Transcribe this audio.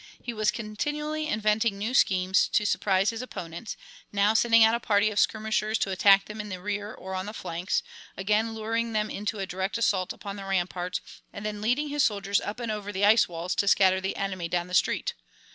He was continually inventing new schemes to surprise his opponents, now sending out a party of skirmishers to attack them in the rear or on the flanks, again luring them into a direct assault upon the rampart, and then leading his soldiers up and over the ice walls to scatter the enemy down the street.